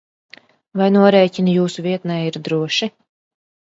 Vai norēķini jūsu vietnē ir droši?